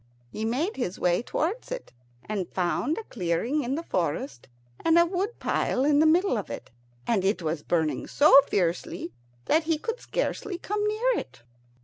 He made his way towards it, and found a clearing in the forest, and a wood pile in the middle of it, and it was burning so fiercely that he could scarcely come near it.